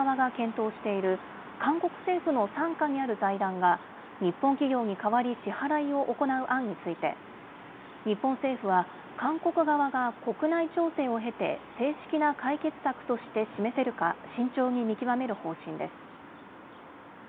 太平洋戦争中の徴用を巡る問題で韓国側が検討している、韓国政府の傘下にある財団が、日本企業に代わり支払いを行う案について、日本政府は、韓国側が国内調整を経て、正式な解決策として示せるか、慎重に見極める方針です。